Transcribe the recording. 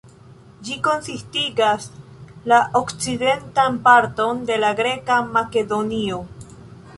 Ĝi konsistigas la okcidentan parton de la greka Makedonio.